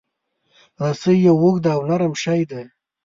رسۍ یو اوږد او نرم شی دی.